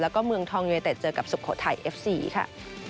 แล้วก็เมืองทองยูเนเต็ดเจอกับสุโขทัยเอฟซีค่ะ